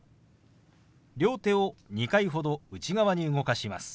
両手を２回ほど内側に動かします。